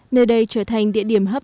nơi đây trở thành địa điểm hợp lý